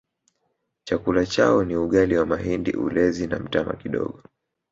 Chakula chao ni ugali wa mahindi ulezi na mtama kidogo